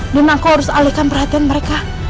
dan aku harus alihkan perhatian mereka